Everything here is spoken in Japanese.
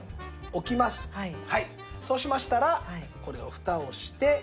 そうしましたらこれをフタをして。